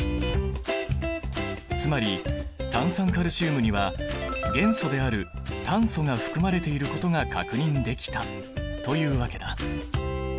つまり炭酸カルシウムには元素である炭素が含まれていることが確認できたというわけだ。